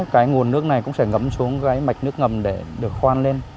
cái nguồn nước này cũng sẽ ngấm xuống cái mạch nước ngầm để được khoan lên